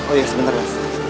oh iya sebentar mas